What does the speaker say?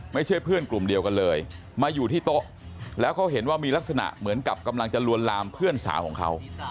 ไม่ใช่เพื่อนกลุ่มเดียวกันเลยมาอยู่ที่โต๊ะแล้วเขาเห็นว่ามีลักษณะเหมือนกับกำลังจะลวนลามเพื่อนสาวของเขา